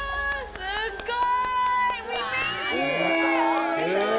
すっごい。